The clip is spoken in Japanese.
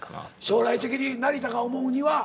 将来的に成田が思うには。